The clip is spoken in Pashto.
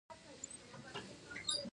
ایا زه منتو وخورم؟